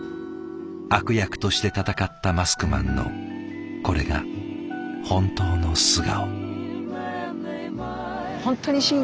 悪役として戦ったマスクマンのこれが本当の素顔。